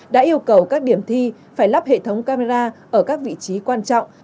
đã yêu cầu các điểm thi phải lắp hệ thống camera ở các vị trí quan trọng